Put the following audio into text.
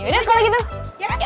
yaudah aku lagi dulu